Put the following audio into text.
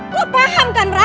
lo paham kan ra